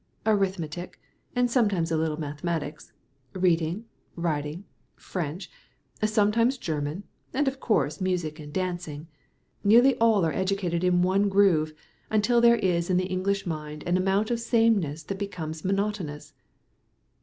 Arithmetic, and sometimes a little mathematics, reading, writing, French, sometimes German, and of course music and dancing. Nearly all are educated in one groove, until there is in the English mind an amount of sameness that becomes monotonous."